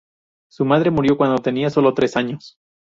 Su madre murió cuándo tenía sólo tres años.